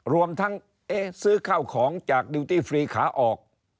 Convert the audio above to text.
รวมทั้งซื้อข้าวของจากดิวตี้ฟรีขาออก